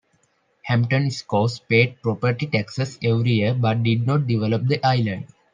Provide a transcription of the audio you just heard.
Hampton Scows paid property taxes every year but did not develop the island.